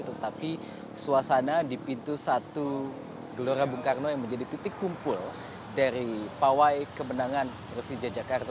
tetapi suasana di pintu satu gelora bung karno yang menjadi titik kumpul dari pawai kemenangan persija jakarta